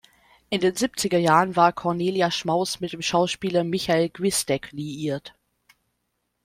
In den siebziger Jahren war Cornelia Schmaus mit dem Schauspieler Michael Gwisdek liiert.